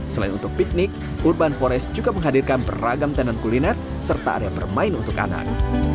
selain untuk piknik urban forest juga menghadirkan beragam tenan kuliner serta area bermain untuk anak